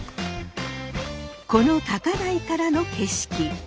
この高台からの景色。